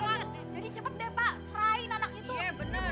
iya benar pak